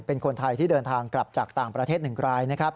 เป็นคนไทยที่เดินทางกลับจากต่างประเทศ๑รายนะครับ